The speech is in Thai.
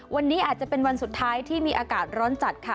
วันนี้อาจจะเป็นวันสุดท้ายที่มีอากาศร้อนจัดค่ะ